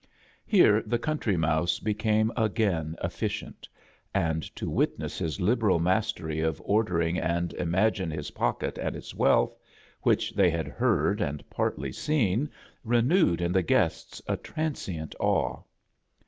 Here the Giuntry Mouse became again efficient; and to witness his liberal mastery of or dering and imagine his pocket and its wealth, which they had heard and partly seen, renewed in the guests a transient awe.